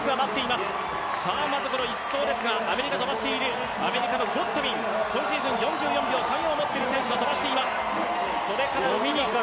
まず１走ですがアメリカ、とばしているゴッドウィン、今シーズン４４秒３５を持っている選手が飛ばしています。